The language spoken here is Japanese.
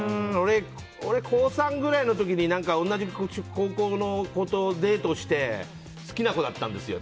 俺、高３くらいの時に同じ高校の子とデートして好きな子だったんですよ。